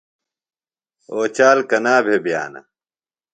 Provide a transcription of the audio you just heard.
اوچال کنا بھےۡ بِیانہ؟